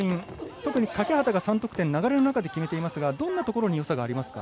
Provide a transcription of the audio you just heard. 特に欠端が３得点流れの中で決めていますがどんなところによさがありますか？